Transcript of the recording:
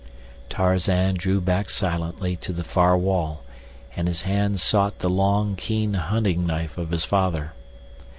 Tarzan drew back silently to the far wall, and his hand sought the long, keen hunting knife of his father.